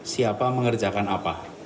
siapa mengerjakan apa